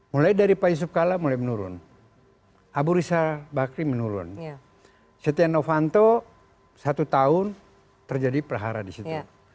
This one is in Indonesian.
mulai dari pak yusuf kalla mulai menurun abu rizal bakri menurun setia novanto satu tahun terjadi perhara di situ